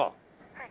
「はい」